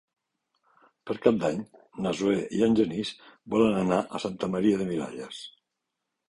Per Cap d'Any na Zoè i en Genís volen anar a Santa Maria de Miralles.